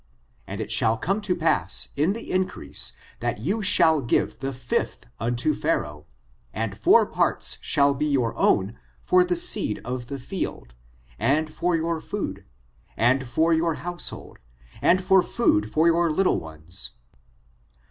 And it shall come to pass, in the increase, that you shall give the fifth un to Pharaoh, and four parts shall be your own for the seed of the field, and for your food, and for your household, and for food for your little ones."